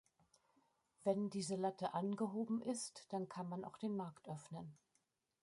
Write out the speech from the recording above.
Wenn diese Latte angehoben ist, dann kann man auch den Markt öffnen.